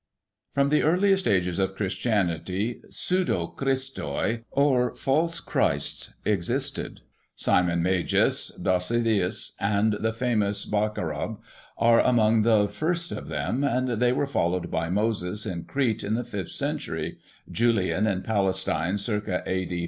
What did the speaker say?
From the earliest ages of Christianity pseudo Christoi, or false Christs, existed Simon Magus, Dositheus, and the famous Barcochab were among the first of them, and they were followed by Moses, in Crete, in the fifth century ; Julian, in Palestine, circa A.D.